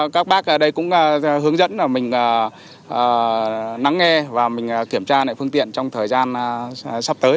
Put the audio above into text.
các bác ở đây cũng hướng dẫn là mình lắng nghe và mình kiểm tra lại phương tiện trong thời gian sắp tới